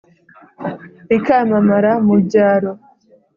Rikamamara mu byaro.